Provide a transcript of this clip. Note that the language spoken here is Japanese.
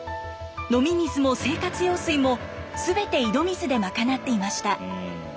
飲み水も生活用水も全て井戸水で賄っていました。